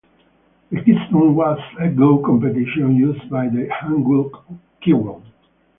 The Kisung was a Go competition used by the Hanguk Kiwon.